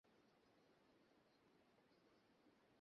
যাত পাত ধর্ম বর্ণ নির্বিশেষে সবাই এখানে এসে একাকার হয়ে যায়।